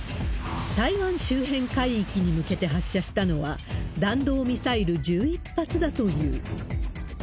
台湾周辺海域に向けて発射したのは、弾道ミサイル１１発だという。